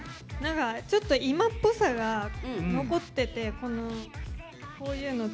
ちょっと今っぽさが残っててこのこういうのとか。